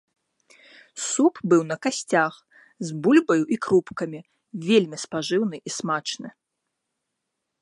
Суп быў на касцях, з бульбаю і крупкамі, вельмі спажыўны і смачны.